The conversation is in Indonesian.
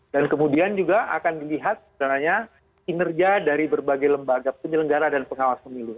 dan kemudian juga akan dilihat sebenarnya kinerja dari berbagai lembaga penyelenggara dan pengawas pemilu